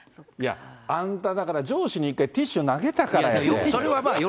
いや、あんた、だから上司に一回ティッシュ投げたからやって。